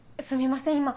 すみません